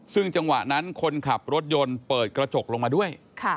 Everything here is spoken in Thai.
ซึ่งจังหวะนั้นคนขับรถยนต์เปิดกระจกลงมาด้วย